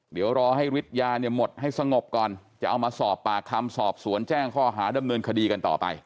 เดี๋ยวรอให้ฤทธิ์ยาเนี่ยหมดให้สงบก่อนจะเอามาสอบปากคำสอบสวนแจ้งข้อหาดำเนินคดีกันต่อไป